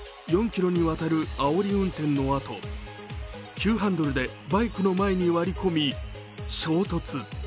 ４ｋｍにわたるあおり運転のあと急ハンドルでバイクの前に割り込み衝突。